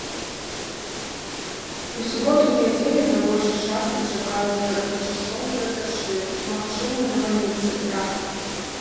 У суботу і нядзелю на большай частцы чакаюцца кароткачасовыя дажджы, магчымыя навальніцы, град.